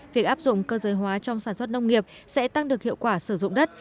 việc áp dụng cơ giới hóa trong sản xuất nông nghiệp sẽ tăng được hiệu quả sử dụng đất